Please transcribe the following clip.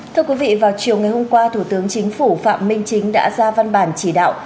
thưa quý vị vào chiều ngày hôm qua thủ tướng chính phủ phạm minh chính đã ra văn bản chỉ đạo